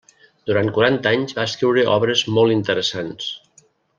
Durant quaranta anys va escriure obres molt interessants.